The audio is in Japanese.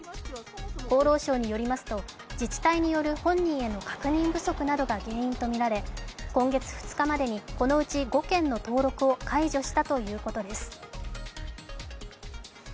厚労省によりますと、自治体による本人への確認不足などが原因とみられ今月２日までにこのうち５件の登録を解除したということです。